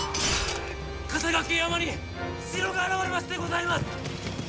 笠懸山に城が現れましてございます！